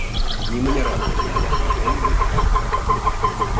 Нимынярат, шонем, мый ом лӱд, ом вожыл.